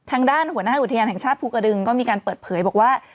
ทางด้านหัวหน้าอุทยานแห่งชาติภูกระดึงก็มีการเปิดเผยบอกว่า